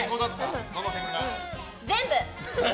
全部！